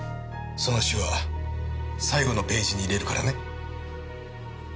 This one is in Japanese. その詩は最後のページに入れるからね。